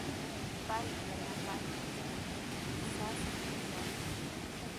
Pay yanapaashuptiykiqa rasmi ushanki.